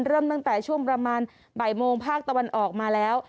เริ่มตั้งแต่ช่วงประมาณบ่ายโมงภาคตะวันออกมาแล้ว